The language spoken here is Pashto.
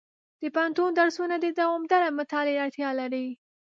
د پوهنتون درسونه د دوامداره مطالعې اړتیا لري.